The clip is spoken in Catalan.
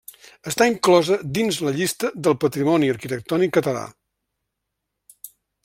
Està inclosa dins la llista del patrimoni arquitectònic català.